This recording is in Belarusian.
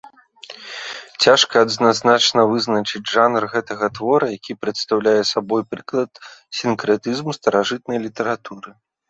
Цяжка адназначна вызначыць жанр гэтага твора, які прадстаўляе сабой прыклад сінкрэтызму старажытнай літаратуры.